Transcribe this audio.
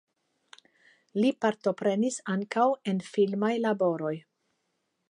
Li partoprenis ankaŭ en filmaj laboroj.